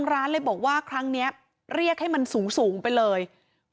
คือก่อนหน้านี้ทางร้านเขาเรียกค่าเสียหายเท่ากับราคาของที่ขโมยไป